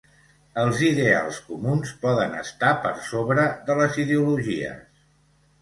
Els ideals comuns poden estar per sobre de les ideologies.